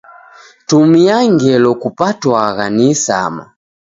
Tumia ngelo kupatwagha ni isama.